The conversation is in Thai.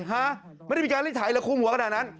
ฮะไม่ได้มีการรีดไถแล้วคุ้มหัวกระดานนั้น